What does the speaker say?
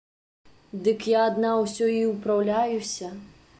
Дык я адна ўсё і ўпраўляюся.